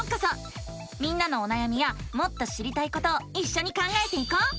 みんなのおなやみやもっと知りたいことをいっしょに考えていこう！